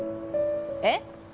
えっ？